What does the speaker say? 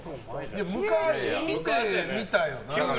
昔、見てたよな。